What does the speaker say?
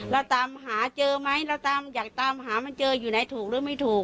เราตามหาเจอไหมเราตามอยากตามหามันเจออยู่ไหนถูกหรือไม่ถูก